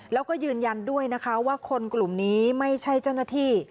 แล้วก็ยืนยันด้วยนะคะว่าคนกลุ่มนี้ไม่ใช่เจ้าหน้าที่